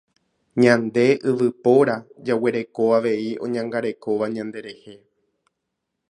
Ñande yvypóra jaguereko avei oñangarekóva ñanderehe.